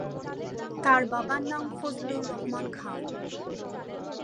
তার বাবার নাম ফজলুর রহমান খান।